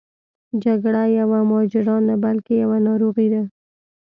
جګړه یوه ماجرا نه بلکې یوه ناروغي ده.